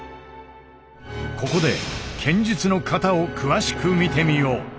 ここで剣術の型を詳しく見てみよう。